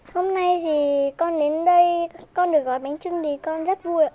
hôm nay thì con đến đây con được gói bánh trưng thì con rất vui